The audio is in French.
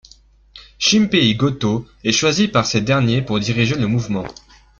Shimpei Gotō est choisi par ces derniers pour diriger le mouvement.